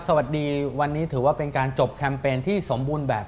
สวัสดีวันนี้ถือว่าเป็นการจบแคมเปญที่สมบูรณ์แบบ